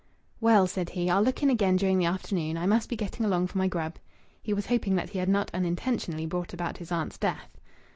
"Well," said he, "I'll look in again during the afternoon. I must be getting along for my grub." He was hoping that he had not unintentionally brought about his aunt's death.